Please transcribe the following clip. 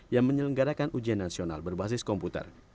yang menyelenggarakan ujian nasional berbasis komputer